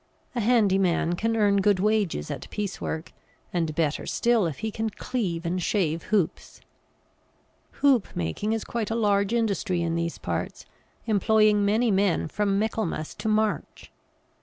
A handy man can earn good wages at piece work, and better still if he can cleave and shave hoops. Hoop making is quite a large industry in these parts, employing many men from Michaelmas to March.